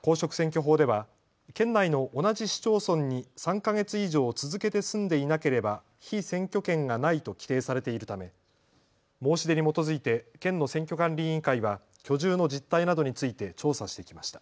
公職選挙法では県内の同じ市町村に３か月以上続けて住んでいなければ被選挙権がないと規定されているため申し出に基づいて県の選挙管理委員会は居住の実態などについて調査してきました。